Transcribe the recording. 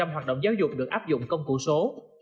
ba mươi năm hoạt động giáo dục được áp dụng công cụ số